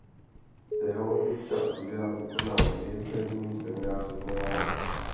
Teologická studia vykonal v diecézním semináři v Miláně.